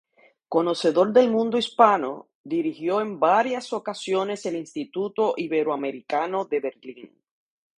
Conocedor del mundo hispano, dirigió en varias ocasiones el Instituto Ibero-Americano de Berlín.